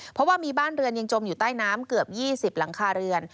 เพราะว่ามีบ้านเรือนยังจมอยู่ใต้น้ำเกือบ๒๐หลังคาเรือน